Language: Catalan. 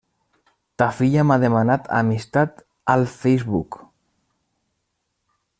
Ta filla m'ha demanat amistat al Facebook.